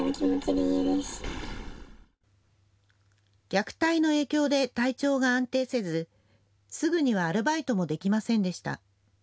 虐待の影響で体調が安定せずすぐにはアルバイトもできませんでした。